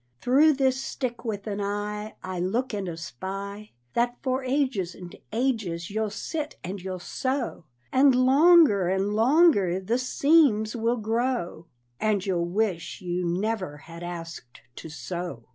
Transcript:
Through this stick with an eye I look and espy That for ages and ages you'll sit and you'll sew, And longer and longer the seams will grow, And you'll wish you never had asked to sew.